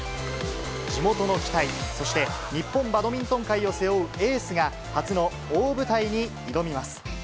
地元の期待、そして日本バドミントン界を背負うエースが、初の大舞台に挑みます。